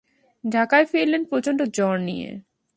ঢাকায় ফিরলেন প্রচণ্ড জ্বর নিয়ে।